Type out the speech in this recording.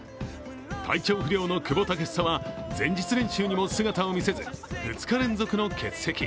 体調不良の久保建英は全日練習にも姿を見せず２日連続の欠席。